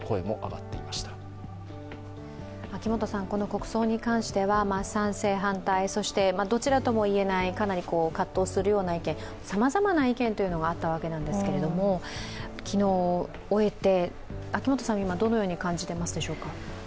国葬に関しては賛成、反対、そしてどちらともいえない、かなり葛藤する意見、さまざまな意見というのがあったわけなんですけど昨日、終えて、今どのように感じていますでしょうか。